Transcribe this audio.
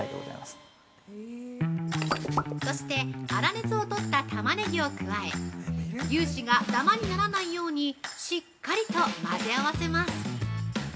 ◆そして、粗熱を取ったたまねぎを加え、牛脂がダマにならないようにしっかりと混ぜ合わせます。